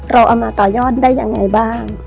เราเอามาต่อยอดได้ยังไงบ้าง